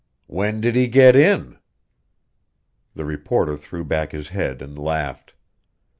"When did he get in?" The reporter threw back his head and laughed.